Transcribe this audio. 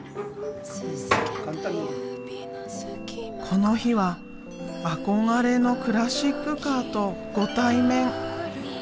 この日は憧れのクラシックカーとご対面。